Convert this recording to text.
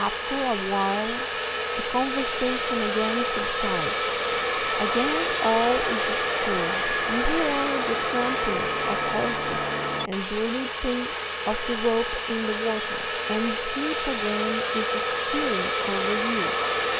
After a while the conversation again subsides; again all is still; you hear only the trampling of horses and the rippling of the rope in the water, and sleep again is stealing over you.